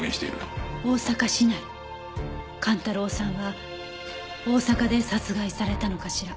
寛太郎さんは大阪で殺害されたのかしら？